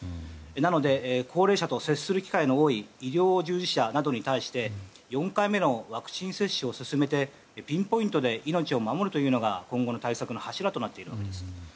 なので高齢者と接する機会の多い医療従事者などに対して４回目のワクチン接種を進めてピンポイントで命を守るのが今後の対策の柱となっています。